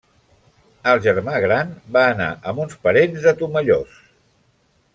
El germà gran va anar amb uns parents de Tomelloso.